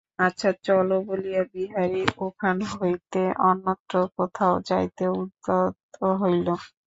আচ্ছা চলো বলিয়া বিহারী এখান হইতে অন্যত্র কোথাও যাইতে উদ্যত হইল।